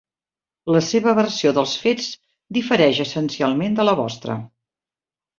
La seva versió dels fets difereix essencialment de la vostra.